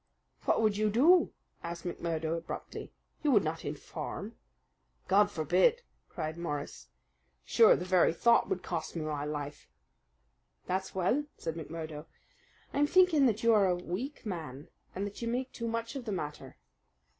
"What would you do?" asked McMurdo abruptly. "You would not inform?" "God forbid!" cried Morris. "Sure, the very thought would cost me my life." "That's well," said McMurdo. "I'm thinking that you are a weak man and that you make too much of the matter."